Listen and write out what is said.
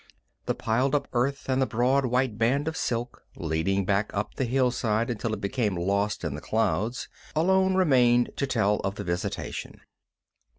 The piled up earth and the broad, white band of silk, leading back up the hillside until it became lost in the clouds, alone remained to tell of the visitation.